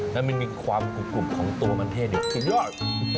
มันมีความกุบของตัวมันเทศเลย